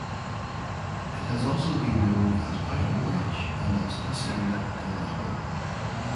It has also been known as Outlook Ranch and as Hacienda del Lago.